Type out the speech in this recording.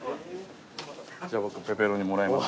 じゃあ僕ペパロニもらいます。